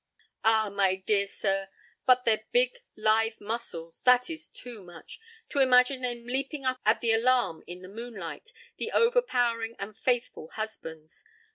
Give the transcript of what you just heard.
Ah, my dear sir, but their big, lithe muscles! That is too much! To imagine them leaping up at the alarm in the moonlight, the overpowering and faithful husbands.